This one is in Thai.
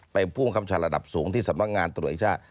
ไปพุ่งคำชาญระดับสูงที่สำนักงานตรวจอีกชาติ